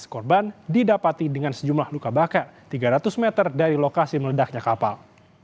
tujuh belas korban didapati dengan sejumlah luka bakar tiga ratus meter dari lokasi meledaknya kapal